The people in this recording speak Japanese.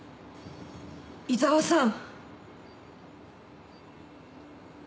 井沢さん。